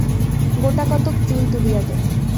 গােটাকতক চুল তুলিয়া দে।